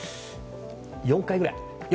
４回くらい。